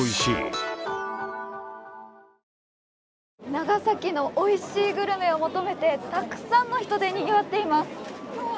長崎のおいしいグルメを求めて、たくさんの人でにぎわっています。